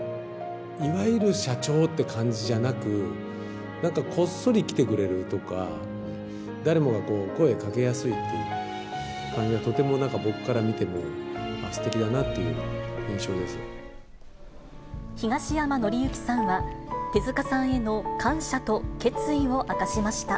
いわゆる社長って感じじゃなく、なんかこっそり来てくれるとか、誰もが声かけやすいっていう感じが、とてもなんか、僕から見ても東山紀之さんは、手塚さんへの感謝と決意を明かしました。